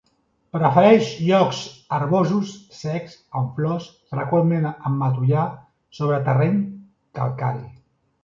Prefereix llocs herbosos, secs, amb flors, freqüentment amb matollar; sobre terreny calcari.